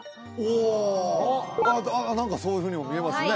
おお何かそういうふうにも見えますね